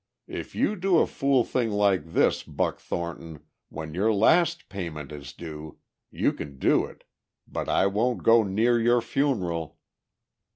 If you do a fool thing like this, Buck Thornton, when your last payment is due, you can do it. But I won't go near your funeral!"